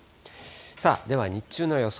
さあ、では日中の予想